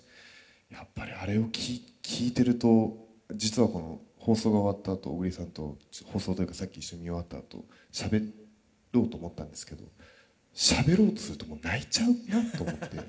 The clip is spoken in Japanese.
やっぱりあれを聞いてると実はこの放送が終わったあと小栗さんと放送というかさっき一緒に見終わったあとしゃべろうと思ったんですけどしゃべろうとするともう泣いちゃうなと思って。